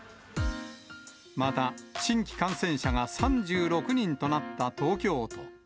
また、新規感染者が３６人となった東京都。